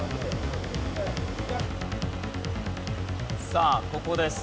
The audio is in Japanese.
さあここです。